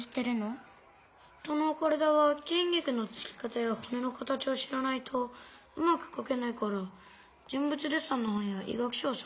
人の体はきん肉のつき方やほねの形を知らないとうまくかけないから人物デッサンの本や医学書を参考にしてる。